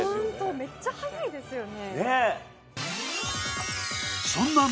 めっちゃ速いですよね。